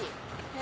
え？